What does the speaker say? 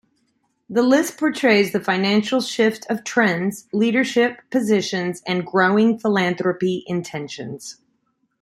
The list portrays the financial shift of trends, leadership positions, and growing philanthropy intentions.